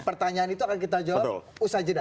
pertanyaan itu akan kita jawab usaha jeda